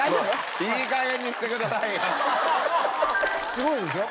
すごいでしょ？